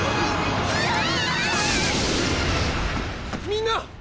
みんな！